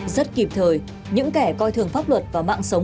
rất kịp thời những kẻ coi thường pháp luật và mạng sử dụng